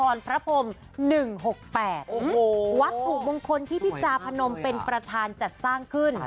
โอ้โหสวยมากเลยค่ะวัตถุมงคลที่พี่จาพนมเป็นประธานจัดสร้างขึ้น